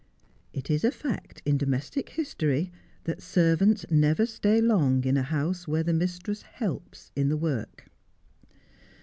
It is a fact in domestic history, that servants never stay long in a house where the mistress helps in the work.